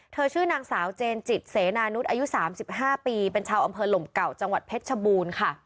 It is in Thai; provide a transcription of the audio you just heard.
ชื่อนางสาวเจนจิตเสนานุษย์อายุ๓๕ปีเป็นชาวอำเภอลมเก่าจังหวัดเพชรชบูรณ์ค่ะ